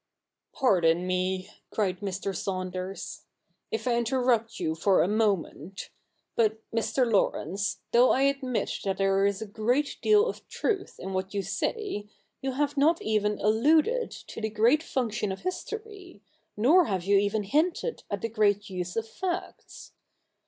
' Pardon me,' cried Mr. Saunders, ' if I interrupt you for a moment ; but, Mr. Laurence, though I admit that there is a great deal of truth in what you say, you have not even alluded to the great function of history, nor have you even hinted at the great use of facts.